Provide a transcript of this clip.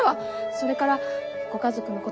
それからご家族のこと